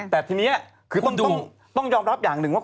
แต่ทีนี้คือต้องยอมรับอย่างหนึ่งว่า